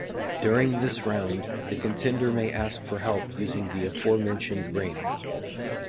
During this round, the contender may ask for help using the aforementioned ring.